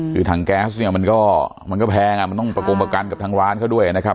คือถังแก๊สเนี่ยมันก็มันก็แพงอ่ะมันต้องประกงประกันกับทางร้านเขาด้วยนะครับ